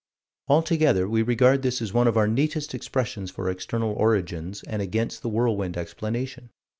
Altogether we regard this as one of our neatest expressions for external origins and against the whirlwind explanation.